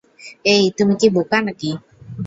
এই, তুমি কি বোকা নাকি?